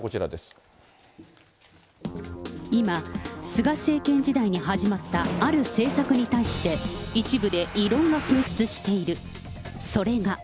今、菅政権時代に始まったある政策に対して、一部で異論が噴出している。